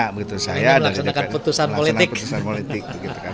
ini melaksanakan putusan politik